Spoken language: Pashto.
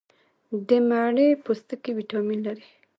د مڼې پوستکي ویټامین لري.